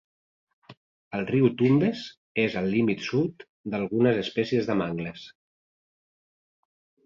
El riu Tumbes és el límit sud d'algunes espècies de mangles.